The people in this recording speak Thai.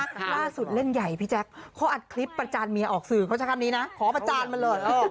ล่าสุดเล่นใหญ่พี่แจ๊คเขาอัดคลิปประจานเมียออกสื่อเขาใช้คำนี้นะขอประจานมาเลย